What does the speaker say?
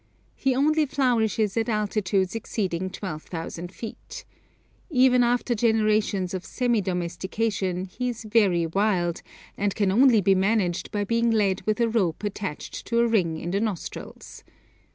He only flourishes at altitudes exceeding 12,000 feet. Even after generations of semi domestication he is very wild, and can only be managed by being led with a rope attached to a ring in the nostrils.